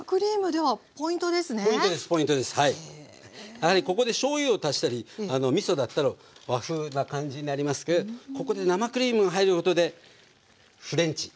やはりここでしょうゆを足したりみそだったら和風な感じになりますけどここで生クリームが入ることでフレンチに。